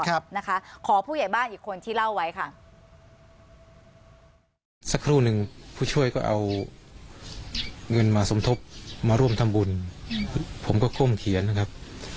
สักครู่หนึ่งผู้ช่วยก็เอาเงินมาสมทบมาร่วมทำบุญผมก็ก้มเขียนนะครับ